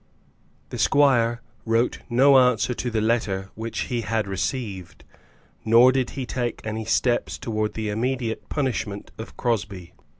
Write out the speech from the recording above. The squire wrote no answer to the letter which he had received, nor did he take any steps towards the immediate punishment of Crosbie.